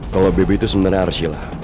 kalau baby itu sebenarnya arshila